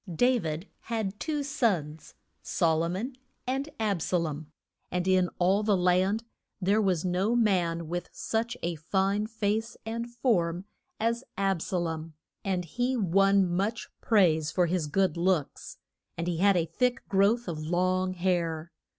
Da vid had two sons: Sol o mon and Ab sa lom. And in all the land there was no man with such a fine face and form as Ab sa lom, and he won much praise for his good looks. And he had a thick growth of long hair.